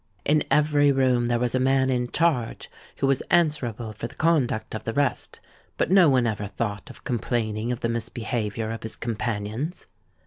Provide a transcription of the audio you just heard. In every room there was a man in charge who was answerable for the conduct of the rest; but no one ever thought of complaining of the misbehaviour of his companions.